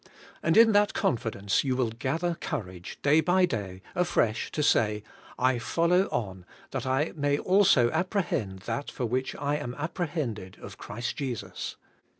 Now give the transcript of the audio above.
And in that confidence you will gather cour age, day by day, afresh to say, '" I follow on, that I may also apprehend that for which I am apprehended of Christ Jesus."